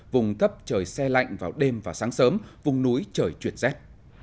vùng thấp trời xe lạnh vào đêm và sáng sớm vùng núi trời chuyển rét